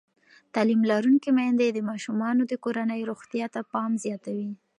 تعلیم لرونکې میندې د ماشومانو د کورنۍ روغتیا ته پام زیاتوي.